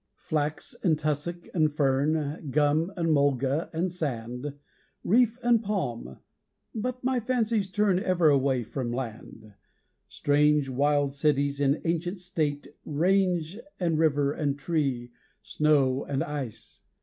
Flax and tussock and fern, Gum and mulga and sand, Reef and palm but my fancies turn Ever away from land; Strange wild cities in ancient state, Range and river and tree, Snow and ice.